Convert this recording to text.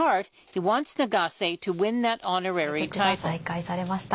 対局が再開されました。